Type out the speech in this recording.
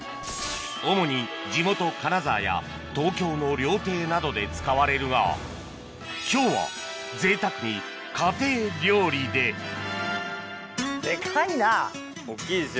主に地元金沢や東京の料亭などで使われるが今日はぜいたくに家庭料理で大っきいですよ。